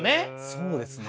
そうですね。